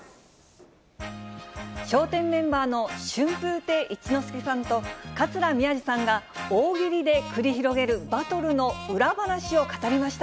笑点メンバーの春風亭一之輔さんと桂宮治さんが、大喜利で繰り広げるバトルの裏話を語りました。